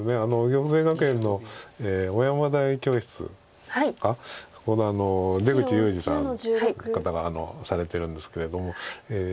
緑星学園の尾山台教室はそこの出口雄司さんって方がされてるんですけれども。